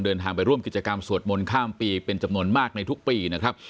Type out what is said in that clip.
เดินทางไปร่วมกิจกรรมสวดมนต์ข้ามปีเป็นจำนวนมากในทุกปีนะครับ